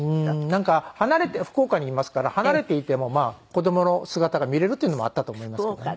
なんか離れて福岡にいますから離れていても子供の姿が見れるっていうのもあったと思いますけどね。